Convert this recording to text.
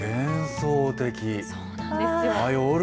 そうなんですよ。